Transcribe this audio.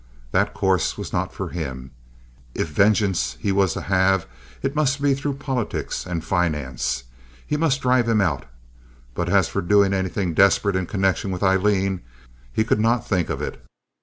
That course was not for him. If vengeance he was to have, it must be through politics and finance—he must drive him out. But as for doing anything desperate in connection with Aileen, he could not think of it.